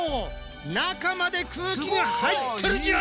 中まで空気が入ってるじゃん！